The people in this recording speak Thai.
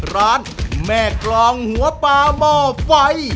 ร้านแม่กรองหัวปลาหม้อไฟ